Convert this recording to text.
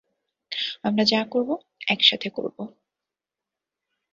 আমরা যা করব, একসাথে করব!